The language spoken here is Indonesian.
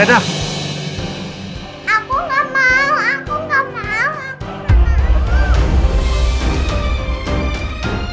aku nggak mau